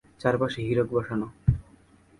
চারপাশে হীরক বসানো।